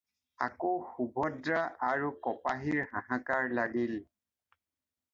আকৌ সুভদ্ৰা আৰু কপাহীৰ হাহাকাৰ লাগিল।